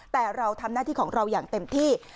แต่เราทำหน้าที่ของเราอย่างเต็มที่